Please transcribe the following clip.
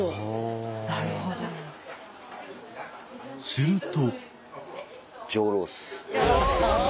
すると。